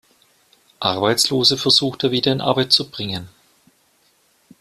Arbeitslose versucht er wieder in Arbeit zu bringen.